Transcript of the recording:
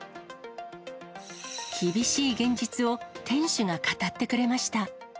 厳しい現実を店主が語ってくれました。